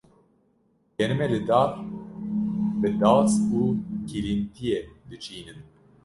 genimê li dar bi das û kîlîntiyê diçînîn